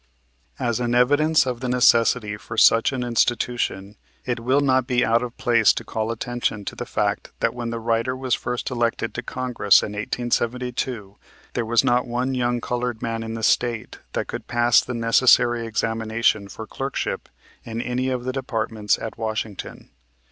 As an evidence of the necessity for such an institution it will not be out of place to call attention to the fact that when the writer was first elected to Congress in 1872, there was not one young colored man in the State that could pass the necessary examination for a clerkship in any of the Departments at Washington.